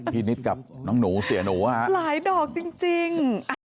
นิดกับน้องหนูเสียหนูอ่ะหลายดอกจริง